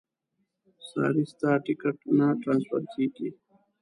ساري ستا ټیکټ نه ټرانسفر کېږي.